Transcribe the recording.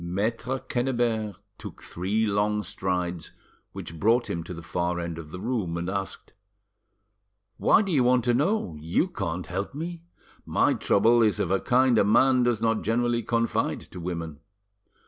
Maitre Quennebert took three long strides, which brought him to the far end of the room, and asked— "Why do you want to know? You can't help me. My trouble is of a kind a man does not generally confide to women."